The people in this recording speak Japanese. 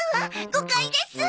誤解です！